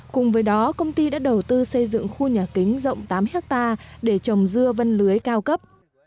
cùng với đó công ty đã đầu tư xây dựng khu nhà kính rộng tám hectare để trồng dưa văn lưới cao cấp